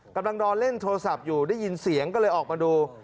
กำลังนอนเล่นโทรศัพท์อยู่ได้ยินเสียงก็เลยออกมาดู